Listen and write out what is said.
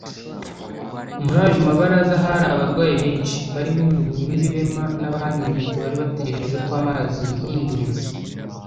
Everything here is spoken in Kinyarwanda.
. Muri ayo mabaraza hari abarwayi benshi, barimo impumyi n’ibirema, n’abanyunyutse bari bategereje ko amazi yihinduriza”